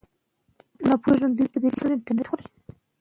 موږ نه پرېږدو چې زموږ ارزښتونه پیکه سي.